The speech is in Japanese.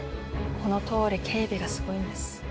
このとおり警備がすごいんです。